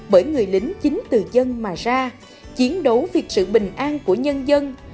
bởi người lính chính từ dân mà ra chiến đấu vì sự bình an của nhân dân